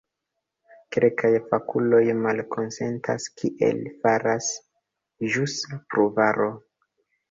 Kelkaj fakuloj malkonsentas, kiel faras ĵusa pruvaro.